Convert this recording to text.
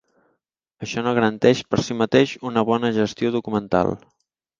Això no garanteix per si mateix una bona gestió documental.